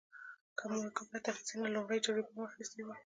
که موږ عبرت اخیستلی نو له لومړۍ جګړې به مو اخیستی وای